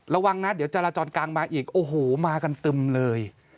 ระวังนะเดี๋ยวจราจรกลางมาอีกโอ้โหมากันตึมเลย